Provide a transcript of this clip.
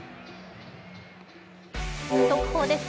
速報です。